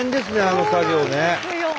あの作業ね。